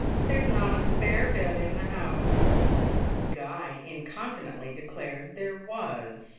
"There's not a spare bed in the house." Guy incontinently declared there was.